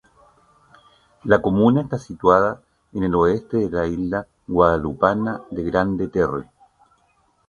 La comuna está situada en el oeste de la isla guadalupana de Grande-Terre.